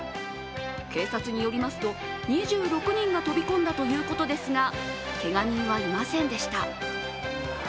警察によりますと、２６人が飛び込んだということですが、けが人はいませんでした。